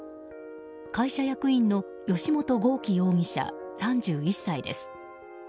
会社役員の吉元剛貴容疑者、３１歳です。